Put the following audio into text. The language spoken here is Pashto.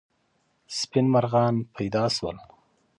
سپین مرغان پیدا سول.